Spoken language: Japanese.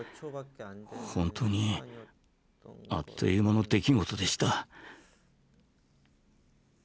本当にあっという間の出来事でした。